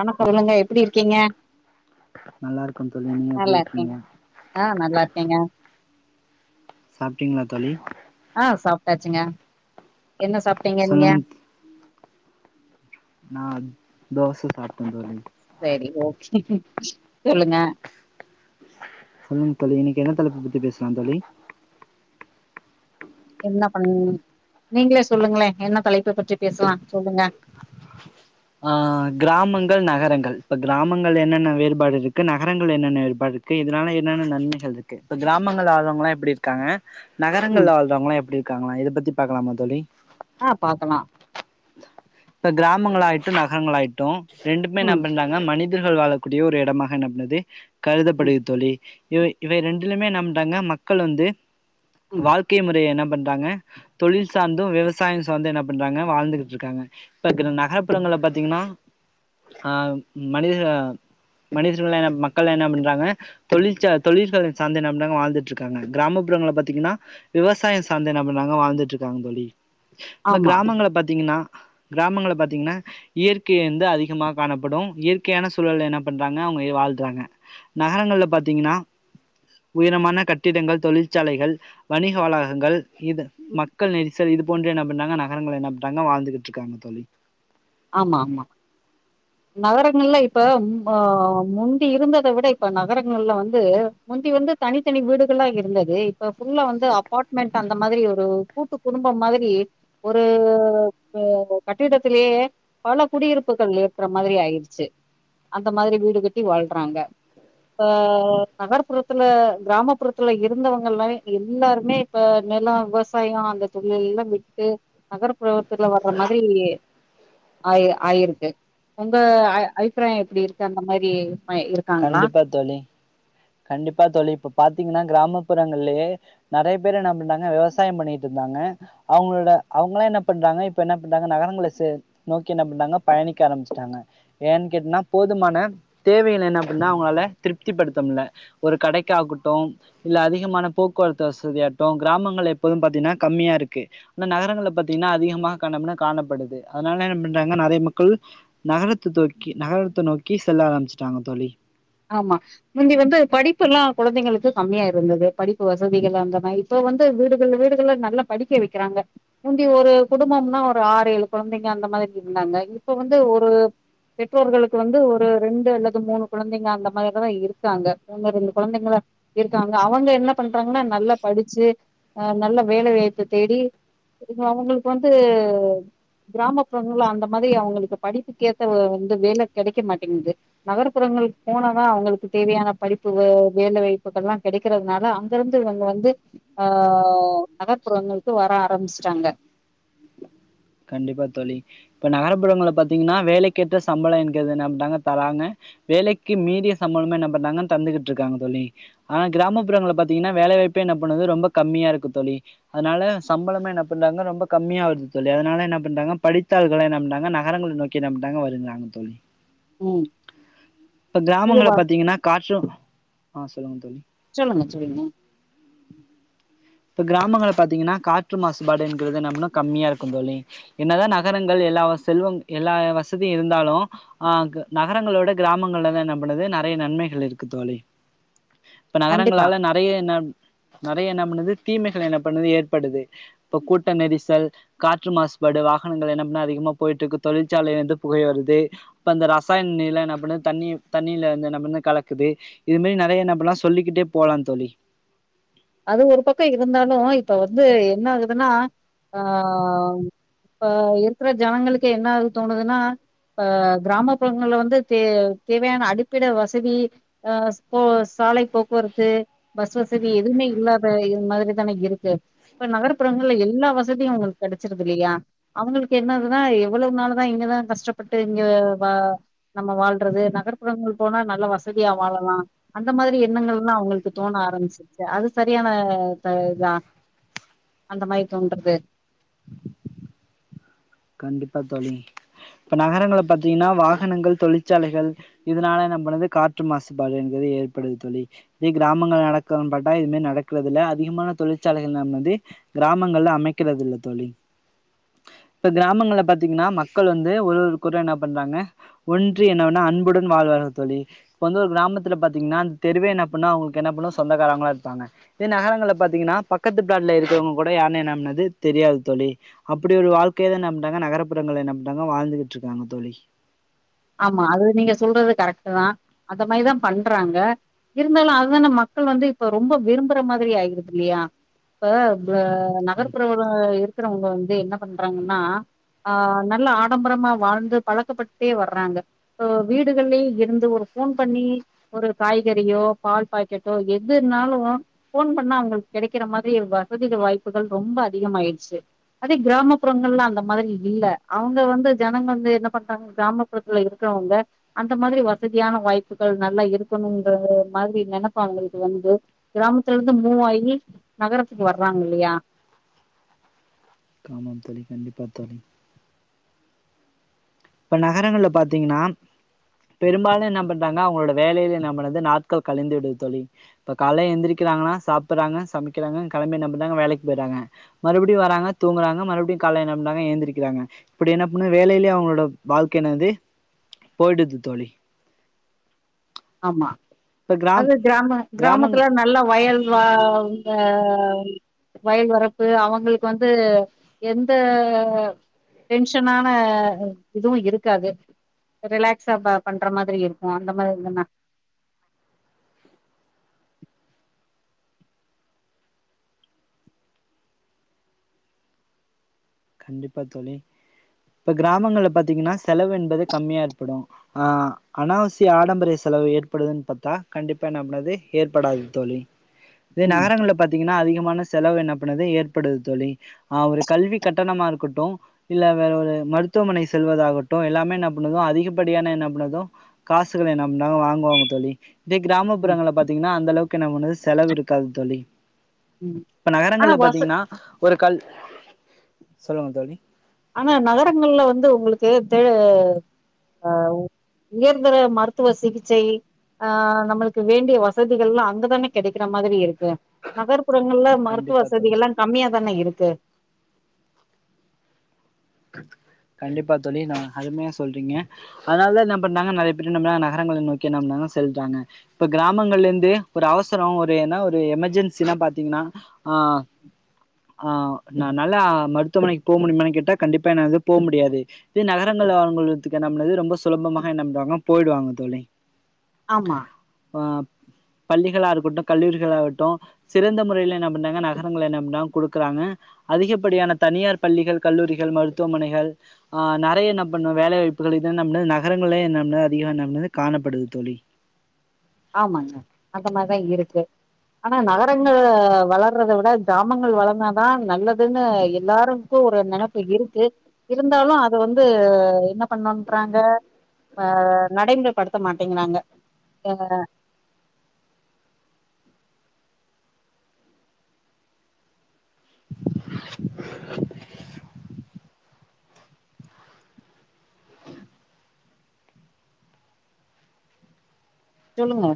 அன சொல்லுங்க எப்டி இருக்கீங்க நல்லா இருக்கோம் தோழி நீங்க எப்டி நல்லா இருக்கீங்க இருக்கேங்க ஆஹ நல்லா இருக்கேங்க சாப்பிட்டீங்ளா தோழி தாச்சுங்க என்ன சாப்டீங்க நீங்க நான் தோசை சாப்ட்டு வந்துள்ளேன் சரி ஓகே சொல்லுங்க சொல்லுங்க தோழி இன்னைக்கு என்ன தலைப்பு பத்தி பேசலாம் தோழி என்ன பண்ண நீங்களே சொல்லுங்களேன் என்ன தலைப்பை பற்றி பேசலாம் சொல்லுங்க ஆஹ கிராமங்கள் நகரங்கள் இப்ப கிராமங்கள் என்னென்ன வேறுபாடு இருக்கு நகரங்கள் என்னென்ன வேறுபாடு இருக்கு இதனால என்னென்ன நன்மைகள் இருக்கு இப்ப கிராமங்கள் வாழ்றவங்கலாம் எப்படி இருக்காங்க நகரங்கள் ம் வாழ்றவங்களாம் எப்படி இருக்காங்களாம் இதை பத்தி பார்க்கலாம் தோழி ஆஹ பாக்கலாம் இப்ப கிராமங்களாய் ட்டும் நகரங்களாயிட்டும் ரெண்டுமே நான் ம் பண்ணாங்க மனி மனிதர்கள் வாழக்கூடிய ஒரு இடமாக நம்பனது ம் கருதபடுகிறது தோழி இவை இவை ரெண்டுலயுமே நம்டாங்க மக்கள் வந்து ம் வாழ்க்கை முறை என்ன பண் றாங்க தொழில் சார்ந்தும் விவசாயம் சார்ந்தும் என்ன பண்றாங்க வாழ்ந்துகிட்டு இருக்காங்க இப்ப இரு நக நகர்ப்புறங்கள் பார்த்தீங்கன்னா அஹ மனித மனிதர்கள் என்ன மக்கள் என்ன பண்றாங்க தொழில் தொழில்கள் சார்ந்து என்ன பண்றாங்க வாழ்ந்துட்டு இருக்காங்க கிராமப்புறங்கள் பார்த்தீங்கன்னா விவசாயம் சார்ந்து என்ன பண்றாங்க வாழ்ந்துட்டு இருக்காங்க தோழி இப்ப ஆமா கிராமங்கள்ல பார்த்தீங்கன்னா கிராமங்கள்ல பார்த்தீங்கன்னா இயற்கை வந்து அதிகமாக காணப்படும் இயற்கையான சூழல என்ன பண்றாங்க அவுங்க வாழ்றாங்க நகரங்கள்ல பார்த்தீங்கன்னா உயரமான கட்டிடங்கள் தொழிற்சாலைகள் வணிக வளாகங்கள் இது ம் மக்கள் நெரிசல் சரி இது போன்று என்ன பண்றாங்க நகரங்கள் என்ன பண்றாங்க வாழ்ந்துட்டு இருக்காங்க தோழி ஆமா ஆமா நகரங்கள்ல இப்ப ஆஹ முந்தி இருந்ததை விட இப்ப நகரங்கள்ல வந்து முந்தி வந்து தனித்தனி வீடுகளாம் இருந்தது ஃபுல்லா வந்து அப்பார்ட்மெண்ட் அந்த மாதிரி ஒரு கூட்டு குடும்பம் மாதிரி ஒரு உ கட்டிடத்திலயே பல குடியிருப்புகள் ஏற்ற மாதிரி ஆயிருச்சு அந்த மாதிரி வீடு கட்டி வாழ்றாங்க இப்ப நகர்ப்புறத்துல கிராமப்புறத்துல இருந்தவங்கல்லாம் எல்லாருமே இப்ப நிலம் விவசாயம் அந்த தொழில் எல்லாம் விட்டு நகர்ப்புறத்துல வர்ற மாதிரி ஆயி ஆயிருக்கு உங்க அ அபிப்பிராயம் எப்டி இருக்கு அந்த மாதிரி கண்டிப்பா தோழி கண்டிப்பா தோழி இப்ப பாத்தீங்கன்னா கிராமப்புறங்கலேயே நிறைய பேர் என்ன பண்றாங்க விவசாயம் பண்ணிட்டு இருந்தாங்க அவுங்களோட அவுங்களாம் என்ன பண்றாங்க இப்ப என்ன பண்றாங்க நகரங்களை நோக்கி என்ன பண்றாங்க பயணிக்க ஆரம்பிச்சட்டாங்க ஏன்னு கேட்டின்னா போதுமான தேவைகள் என்ன பண்ணா அவுங்களால திருப்தி படுத்தமுடில ஒரு கடைக்காகட்டும் இல்ல அதிகமான போக்குவரத்து வசதியாகட்டும் கிராமங்கள் எப்போதும் பாரத்தீங்கன்னா கம்மியா இருக்கு ஆனா நகரங்கள்ல பாரத்தீங்கன்னா அதிகமாக காணப்ப காணப்படுது அதனால என்ன பண்றாங்க நிறைய மக்கள் நகரத்தை தூக்கி நகரத்தை நோக்கி செல்ல ஆரம்பிச்சுட்டாங்க தோழி ஆமா முந்தி வந்து படிப்பு எல்லாம் குழந்தைங்களுக்கு கம்மியா இருந்தது படிப்பு வசதிகள் அந்த மாதிரி இப்ப வந்து வீடுகள் வீடுகள் நல்லா படிக்க வைக்கிறாங்க முந்தி ஒரு குடும்பம்னா ஒரு ஆறு ஏழு குழந்தைங்க அந்த மாதிரி இருந்தாங்க இப்ப வந்து ஒரு பெற்றோர்களுக்கு வந்து ஒரு ரெண்டு அல்லது மூணு குழந்தைங்க அந்த மாதிரி இருக்காங்க ஒண்ணு ரெண்டு குழந்தைங்க தான் இருக்காருங்க அவுங்க என்ன பண்றாங்கன்னா நல்லா படிச்சு அஹ நல்ல வேலை வாய்ப்பு தேடி அவுங்களுக்கு வந்து கிராமப்புறங்கள அந்த மாதிரி அவுங்களுக்கு படிப்புகேத்த வந்து வேலை கிடைக்க மாட்டேங்குது நகர்ப்புறங்கள் போனதான் அவுங்களுக்கு தேவையான படிப்பு வேலை வாய்ப்புகள் எல்லாம் கிடைக்கறதுனால அங்கெருந்து இவுங்க வந்து ஆஹ நகர்ப்புறங்களுக்கு வர ஆரம்பிச்சுட்டாங்க கண்டிப்பா தோழி இப்ப நகர்புறங்களல பார்த்தீங்கன்னா வேலைக்கேற்ற சம்பளம் என்கிறது என்ன பண்றாங்க தராங்க வேலைக்கு மீறிய சம்பளமே என்ன பண்றாங்கன்னு தந்துகிட்டு இருக்காங்க தோழி ஆனா கிராமப்புறங்களல பார்த்தீங்கன்னா வேலைவாய்ப்பே என்ன பண்ணறது ரொம்ப கம்மியா இருக்கு தோழி அதனால சம்பளமே என்ன பண்றாங்க ரொம்ப கம்மியா வருது தோழி அதனால என்ன பண்றாங்க படித்தாள்கள் என்ன பண்றாங்க நகரங்களை நோக்கி என்ன பண்றாங்க வருங்கிறாங்க தோழி ம் இப்ப இதுவா கிராமங்கள் பார்த்தீங்கன்னா காற்று ஆஹ சொல்லுங்க தோழி சொல்லுங்க சொல்லுங்க இப்ப கிராமங்கள பாாரத்தீங்கன்னா காற்று மாசுபாடு என்கிறது என்ன பண்ணா கம்மியா இருக்கும் தோழி என்னதான் நகரங்கள் எல்லா செல்வம் எல்லா வசதியும் இருந்தாலும் ஆஹ நகரங்களோட கிராமங்கள்லதான் என்ன பண்றது நிறைய நன்மைகள் இருக்கு தோழி இப்ப கண்டிப்பா நகரங்களால நிறைய என்ன என்ன பண்ணுது தீமைகள் என்ன பண்ணது ஏற்படுது இப்ப கூட்ட நெரிசல் காற்று மாசுபாடு வாகனங்கள் என்ன பண்ணா அதிகமா போயிட்டு இருக்கு தொழிற்சாலலைையில இருந்து புகை வருது அப்ப அந்த ரசாயன நீில என்ன பண்ணது தண்ணி தண்ணீில வந்து என்ன பண்ணது கலக்குது இது மாதிரி நிறைய என்ன பண்ணலாம் சொல்லிக்கிட்டே போலாம் தோழி அது ஒரு பக்கம் இருந்தாலும் இப்ப வந்து என்ன ஆகுதுன்னா ஆஹ் இப்ப இருக்கிற ஜனங்களுக்கு என்ன ஆகுது தோணுதுன்னா அஹ கிராமப்புறங்களல வந்து தே தேவையான அடிப்பிட வசதி ஆஹ் போ சாலை போக்குவரத்து பஸ் வசதி எதுவுமே ரேப் [unintelligible] மாதிரி தானே இருக்கு இப்ப நகர்ப்புறங்கள்ல எல்லா வசதியும் அவங்களுக்கு கிடைச்சிருது இல்லையா அவங்களுக்கு என்னதுன்னா எவ்வளவு நாளுதான் இங்கதான் கஷ்டப்பட்டு இங்க நம்ம வாழ்றது நகர்ப்புறங்கள் போனா நல்ல வசதியா வாழலாம் அந்த மாதிரி எண்ணங்கள் எல்லாம் அவங்களுக்கு தோண ஆரம்பிச்சுச்சு அ சரியான ஹா இதா அந்த மாரி தோன்றது கண்டிப்பா தொழி இப்ப நகரங்களல பாத்தீங்கன்னா வாகனங்கள் தொழிற்சாலைகள் இதனால நம்ம பண்ணது காற்று மாசுபாடு எனிறது ஏற்படுது தொழி இதே கிராமங்கள் நடக்க பட்டா இதுவுமே நடக்கறிறது இல்ல அதிகமான தொழிற்சாலைகள் நம்ம வந்து கிராமங்கள்ல அமைக்கறிறது இல்ல தொழி இப்போ கிராமங்களல பார்த்தீங்கன்னா மக்கள் வந்து ஒரு ஒரு கூற னா பண்றாங்க ஒன்ட்ரியுனான் அன்புடன் வாழ்வார்கள் தொழி இப்போ வந்து ஒரு கிராமத்துல பார்த்தீங்கன்னா அந்த தெருவே என்ன பண்ணு அவங்களுக்கு என்ன பண்ணு சொந்தக்காரங்களா இருப்பாங்க இதே நகரங்களல பார்த்தீங்கன்னா பக்கத்து ப்ளாடல இருக்கவங்க கூட யாரன்ன என்ன பண்ணுது தெரியாது தொழி அப்படி ஒரு வாழ்க கெத்தானநம்படறாங்க நகர்புறங்கள என்ன பண்றாங்க வாழ்ந்துகிட்டு இருக்காங்க தொழி ஆமா அது நீங்க சொல்றது கரெக்ட் தான் அந்த மாரிதான் பண்றாங்க இருந்தாலும் அதான மக்கள் வந்து இப்ப ரொம்ப விரும்புற மாதிரி ஆயிருது இல்லையா இப்ப நகர்ப்புறவுல இருக்கறவங்க வந்து என்ன பண்றாங்கன்னா நல்ல ஆடம்பரமா வாழ்ந்து பழக்கப்பட்டே வர ராக இப்போ வீடுகள்லயுருந்து ஒரு போன் பண்ணி ஒரு காய்கறியோ பால் பாக்கெட்டோ எது இருனாலும் போன் பண்ண அவங்களுக்கு கிடைக்கிற மாதிரி வசதிகள் வாய்ப்புகள் ரொம்ப அதிகம ஆயிடுச்சு அதே கிராமப்புறங்கள்ல அந்த மாதிரி இல்ல அவங்க வந்து ஜனங்க வந்து என்ன பண்றாங்கிராம த்துல இருக்கிறவங்க அந்த மாதிரி வசதியான வாய்ப்புகள் நல்லா இருக்கணுங்க மாதிரி நினைப்பவங்களுக்கு வந்து கிராமத்துல இருந்து மூவாயி நகரத்துக்கு வர்றாங்க இல்லயா ஆமாம் தொலி கண்டிப்பா தொலி இப்ப நகரங்கள்ல பாத்தீங்கன்னா பெரும்பாலும் என்ன பண்றாங்க அவங்களோட வேலையில என்ன பண்ணறது நாட்கள் கழிந்து விடுது தொழி இப்ப கால எந்திரிக்கிறாங்கன்னா சாப்பிடறாங்க சமைக்கிறாங்க கிம்ப என்ன பண்றாங்க வேலைக்கு போயடுறாங்க மறுபடியும் வராங்க தூங்குறாங்க மறுபடியும் கால என்ன பண்றாங்க எழுந்திரிக்கிறாங்க இப்படி என்ன பண்ண வேலையிலயே அவங்க வாழ்க்கைனது போயிடுது தோழி ஆமா இப்ப கிராம் அது கிராம கிராமங்க கிராமத்துல நல்லா வயல் வா வாவ் வயல் வரப்பு அவங்களுக்கு வந்து எந்த டென்ஷனான இதுவும் இருக்காது ரிலாக்ஸா பண்ற மாதிரி இருக்கும் அந்த மாதிரி என கண்டிப்பா தொழி இப்ப கிராமங்கள்ல பாரத்தீங்கன்னா செலவு என்பது கம்மியா ஏற்படும் ஆஹ் அனாவசிய ஆடம்பரிய செலவு ஏற்படுதுன்னு பார்த்தா கண்டிப்பா என்ன பண்ணாது ஏற்படாது தொழி இதே ம் நகரங்களல பார்த்தீங்கன்னா அதிகமான செலவு என்ன பண்ணது ஏற்படுது தொழி ஹா ஒரு கல்வி கட்டணமா இருக்கட்டும் இல்ல வேற ஒரு மருத்துவமனை செல்வதாகட்டும் எல்லாமே என்ன பண்ணுவோம் அதிகப்படியான என்ன பண்ணுதோம் காசுகள என்ன பண்ணாங்க வாங்குவாங்க தொழி இத ம் கிராமப்புறங்கள பாத்தீங்கன்னா அந்தளவுக்கு நம்பனது செலவு இருக்காது தொழி ம் இப்ப ஆனா நகரங்கள்ல வச பாத்தீங்கன்னா ஒரு கல் சொல்லுங்க தோழி ஆனா நகரங்கள்ல வந்து உங்களுக்கு து ஆஹ் உயர்தர மருத்துவ சிகிச்சை ஆஹ் நம்மளுக்கு வேண்டிய வசதிகள் எல்லாம் அங்கதானே கிடைக்கிற மாதிரி இருக்கு நகர்ப்புறங்களல மருத்துவ கண்டிப்பா தோழி வசதிகள் எல்லாம் கம்மியா தானே இருக்கு து கண்டிப்பா தொழி ஹான் அருமையா சொல்றீங்க அதனாலதான் என்ன பண்ாங்க நிறைய பேர் நம்மள நகரங்கள நோக்கி நம்மனா செல்றாங்க இப்ப கிராமங்கள்ல இருந்து ஒரு அவசரம் ஒரு ஏன்னா ஒரு எமெர்ஜென்சனா பார்த்தீங்கன்னா ஆஹ் ஆஹ் ந நல்லா மருத்துவமனைக்கு போக முடியுமான்னு கேட்டா கண்டிப்பா என்னது போமுடியாது இதே நகரங்கள வங்கதுக்கு என்ன பண்ணுது ரொம்ப சுலபமாக என் நம்படுவாங்க போயிடுவாங்க தோழி ஆமா இப்போ பள்ளிகளாருக்கட்டும் கல்லூரிகளாகட்டும் சிறந்த முறையில் என்ன பண்றாங்க நகரங்க என்ன பண்றாங்க கொடுக்குறாங்க அதிகப்படியான தனியார் பள்ளிகள் கல்லூர மருத்துவமனைகள் அஹ் நிறைய என்ன பண்ணும் வேலைவாய்ப்புகள் நகரங்கள்ல என்ன அதிம் என்ன காணப்படுது தொழி ஆமாங்க அந்த மாதிரிதான் இருக்கு ஆனா நகரங்க வளர்றத விட கிராமங்கள் வளர்ந்தாதான் நல்லதுன்னு எல்லாருக்கும் ஒரு நினைப்பு இருக்கு இருந்தாலும் அத வந்து என்ன பண்ணறாங்க ஆஹ் நடைமுறைப்படுத்த மாட்டேங்கிறாங்க ஆஹ் [unintelligible] சொல்லுங்க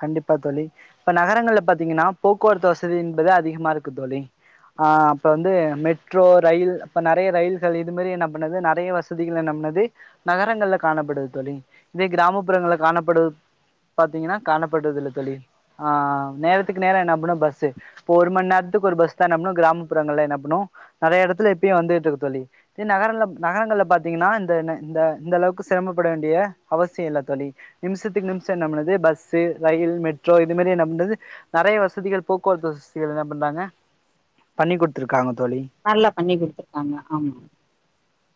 கண்டிப்பா தொலி இப்ப நகரங்கள்ல பாத்தீங்கன்னா போக்குவரத்து வசதி என்பது அதிகமா இருக்கு தொலி ஆஹ் அப்ப வந்து மெட்ரோ ரயில் அப்ப நிறைய ரயில்கள் இது மாதிரி என்ன பண்ணது நிறைய வசதிகள் என்ன பண்ணது நகரங்கள்ல காணப்படுது தொலி இதே கிராமப்புறங்களல காணப்படு பாத்தீங்கன்னா காணப்படுதுல தொலி ஆஹ் நேரத்துக்கு நேரம் என்ன பண்ணும் பஸ்ு இப்ப ஒரு மணி நேரத்துக்கு ஒரு பஸ் தான் நம்பலும் கிராமப்புறங்களில என்ன பண்ணுவோம் நிறைய இடத்துல எப்பயும் வந்துகிட்டு இருக்கு தொலி இதே நகர நகரங்களல பார்த்தீங்கன்னா இந்த இந்த அளவுக்கு சிரமப்பட வேண்டிய அவசியம் இல்ல தொழி நிமிஷத்துக்கு நிமிஷம் என்ன பது பஸ் பஸ் ரயில் மெட்ரோ இது மாதிரி என்ன பண்றது நிறைய வசதிகள் போக்குவரத்து வசதிகள் என்ன பண்றாங்க பண்ணி கொடுத்துருக்காங்க நல்லா பண்ணி குடுத்துருக்காங்க ஆமா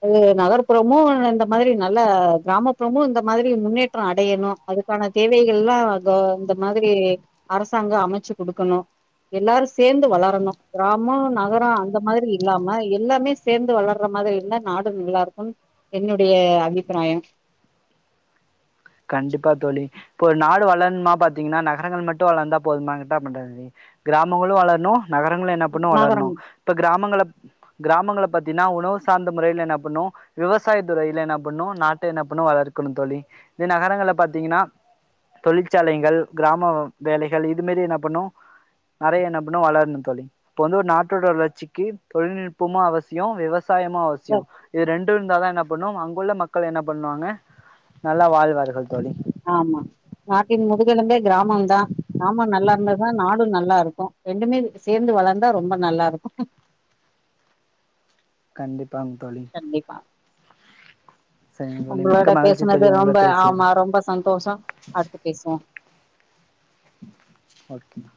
ஆ நகர்புறமு இந்த மாதிரி நல்ல கிராமப்புறமு இந்த மாதிரி முன்னேற்றோ அடையணு அதுக்கான தேவைகள் எல்லா இதோ இந்த மாதிரி அரசாங்கோ அமைச்சு குடுக்கணு எல்லாரு சேந்து வளரணு கிராமோ நகரோ அந்த மாதிரி இல்லாம எல்லாமே சேந்து வளர்ற மாதிரி இல்ல நாடு நல்லா இருக்கும் என்னுடைய அபிப்பிராயம் கண்டிப்பா தோழி இப்ப ஒரு நாடு வளரணுமா பாார்த்தீங்கன்னா நகரங்கள் மட்டும் வளர்ந்தா போதுமா கிட்டா பண்றாதுி கிராமங்களும் வளரணும் நகரங்கள என்ன பண்ணும் நகரம் வளரணும் இப்ப கிராமங்கள கிராமங்கள பாத்தீன்னா உணவு சார்ந்த முறையில என்ன பண்ணு விவசாய துறையில என்ன பண்ணு நாட்ட என்ன பண்ணு வளர்க்கணு தோழி இதே நகரங்கள்ல பாத்தீங்கன்னா தொழிற்சாலைகள் கிராம வேலைகள் இது மாரி என்ன பண்ணும் நெறைய என்ன பண்ணும் வளரணு தோழி இப்போ வந்து ஒரு நாட்டோட வளர்ச்சிக்கு தொழில்நுட்பமு அவசியோ விவ வசாயமு அவசியோ தான். இது ரெண்டு இருந்தாதா அப்பன்னா அங்குள்ள மக்கள் என்ன பண்ணாங்க நல்லா வாழ் [unintelligible] தோழி ஆமா நாட்டின் முதுகெலும்பே கிராமந்தா கிராமம் நல்லா இருந்தாதா நாடும் நல்லா இருக்கு ரெண்டுமே சேந்து வளந்தா ரொம்ப நல்லா இருக்கு கண்டிப்பாங்க தோழி கண்டிப்பா சரிங்க தோழி மிக்க உங்களோட மகிழ்ச்சி தோழி பேசினது உங்களோட ரொம்ப பேசியது ஆமா ரொம்ப சந்தோஷோ அடுத்து பேசுவோ ஓகே [unintelligible]